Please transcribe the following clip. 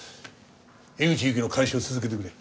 江口ゆきの監視を続けてくれ。